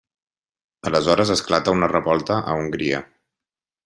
Aleshores esclata una revolta a Hongria.